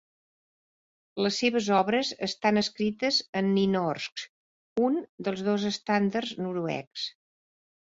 Les seves obres estan escrites en nynorsk, un dels dos estàndards noruecs.